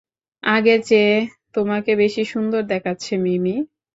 আগের চেয়ে তোমাকে বেশি সুন্দর দেখাচ্ছে, মিমি।